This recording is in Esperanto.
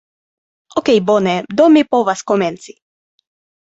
Okej' bone, do mi povas komenci